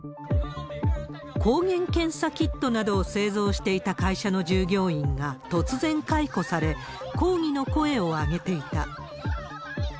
抗原検査キットなどを製造していた会社の従業員が突然解雇され、抗議の声を上げていた。